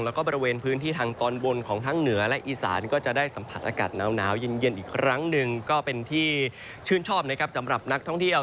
แล้วก็บริเวณพื้นที่ทางตอนบนของทั้งเหนือและอีสานก็จะได้สัมผัสอากาศหนาวเย็นอีกครั้งหนึ่งก็เป็นที่ชื่นชอบนะครับสำหรับนักท่องเที่ยว